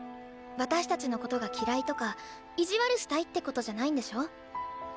私たちのことが嫌いとか意地悪したいってことじゃないんでしょ？